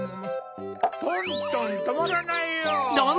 トントンとまらないよ。